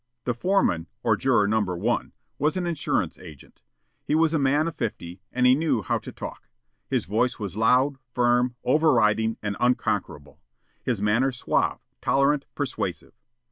The foreman, or Juror No. 1, was an insurance agent. He was a man of fifty and he knew how to talk. His voice was loud, firm, overriding and unconquerable; his manner suave, tolerant, persuasive.